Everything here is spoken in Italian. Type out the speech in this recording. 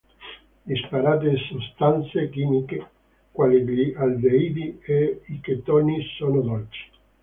Disparate sostanze chimiche, quali gli aldeidi e i chetoni sono dolci.